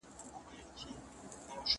موږ باید د باطل څخه ليري وګرځو.